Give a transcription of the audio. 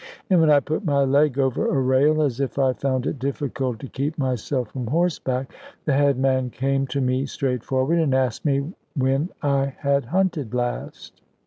And when I put my leg over a rail, as if I found it difficult to keep myself from horseback, the head man came to me straightforward, and asked me when I had hunted last.